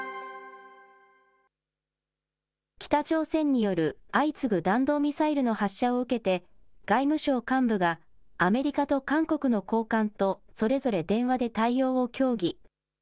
北朝鮮による相次ぐ弾道ミサイルの発射を受けて、外務省幹部が、アメリカと韓国の高官とそれぞれ電話で対応を協議。